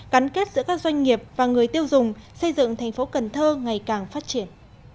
gắn kết giữa các doanh nghiệp và người tiêu dùng xây dựng thành phố cần thơ ngày càng phát triển